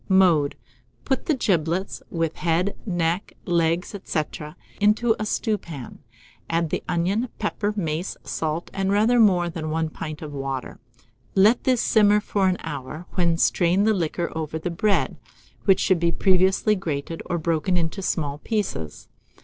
Mode. Put the giblets, with the head, neck, legs, &c., into a stewpan; add the onion, pepper, mace, salt, and rather more than 1 pint of water. Let this simmer for an hour, when strain the liquor over the bread, which should be previously grated or broken into small pieces.